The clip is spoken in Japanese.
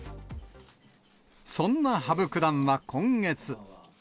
そんな羽生九段は今月。